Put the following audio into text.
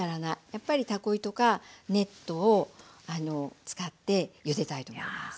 やっぱりたこ糸かネットを使ってゆでたいと思います。